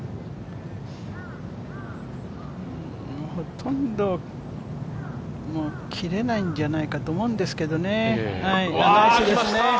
ほとんど切れないんじゃないかと思うんですけどね。